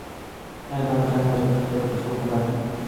آیا د دغه جنګ پایله به د پښتنو په ګټه وي؟